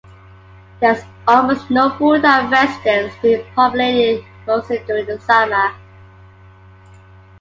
It has almost no full-time residents, being populated mostly during the summer.